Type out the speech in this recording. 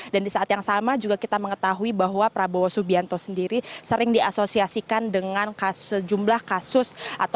dan di saat yang sama juga kita mengetahui bahwa prabowo subianto sendiri sering diasosiasikan dengan jumlah kasus